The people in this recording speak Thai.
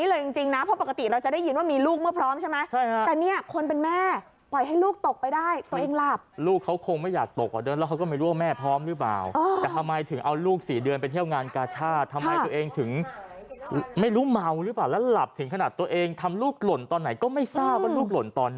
รถกรับไปเบิร์งอีกวันหุดลน